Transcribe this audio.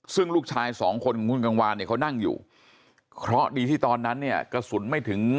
ซึ่งลูกชายสองคนของคุณกังวานเนี่ยเขานั่งอยู่เคราะห์ดีที่ตอนนั้นเนี่ยกระสุนไม่ถึง